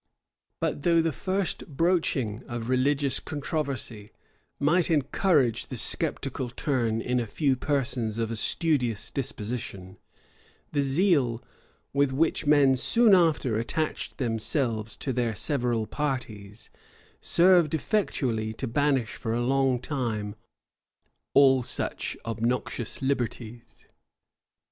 But though the first broaching of religious controversy might encourage the sceptical turn in a few persons of a studious disposition, the zeal with which men soon after attached themselves to their several parties, served effectually to banish for a long time all such obnoxious liberties.